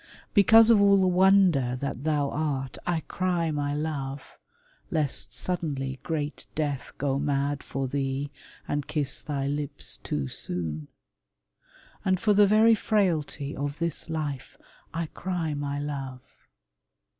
Because of all the wonder that thou art I cry my love, lest suddenly great Death Go mad for thee, and kiss thy lips too soon. And for the very frailty of this life I cry my love.